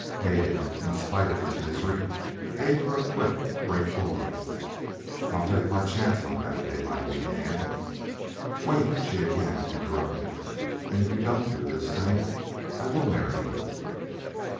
Hegan, in spite of his misery, gave her a quick, grateful look. "I'll take my chance on that," Daylight began. "Wait!" she again interrupted. "And if you don't do this thing, I will marry you."